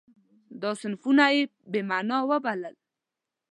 دا صفتونه یې بې معنا وبلل.